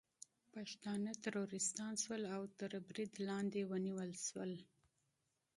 پښتانه ترورستان شول او تر برید لاندې ونیول شول